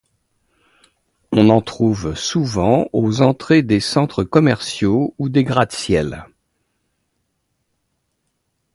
On en trouve souvent aux entrées des centres commerciaux ou des gratte-ciel.